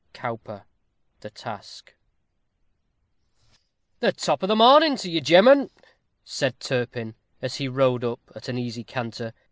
COWPER: The Task. "The top of the morning to you, gem'men," said Turpin, as he rode up at an easy canter.